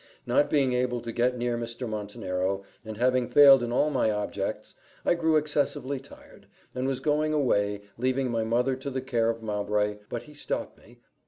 Not being able to get near Mr. Montenero, and having failed in all my objects, I grew excessively tired, and was going away, leaving my mother to the care of Mowbray, but he stopped me.